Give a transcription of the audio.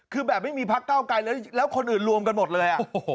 คือแบบไม่มีพักเก้าไกลแล้วคนอื่นรวมกันหมดเลย